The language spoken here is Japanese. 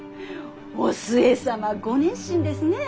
お寿恵様ご熱心ですね。